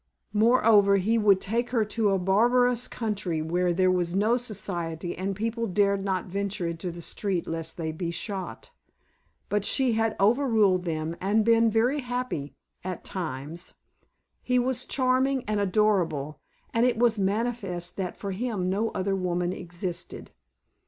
Moreover, he would take her to a barbarous country where there was no Society and people dared not venture into the streets lest they be shot. But she had overruled them and been very happy at times. He was charming and adorable and it was manifest that for him no other woman existed.